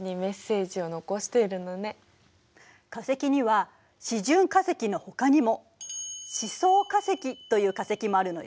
化石には示準化石のほかにも「示相化石」という化石もあるのよ。